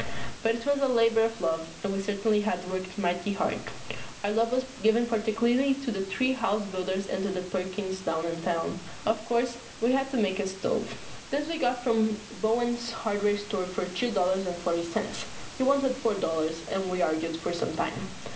But it was a labor of love, and we certainly had worked mighty hard. Our love was given particularly to the three house builders and to Perkins, down in town. Of course we had to have a stove. This we got from Bowen's hardware store for two dollars and forty cents. He wanted four dollars, and we argued for some time.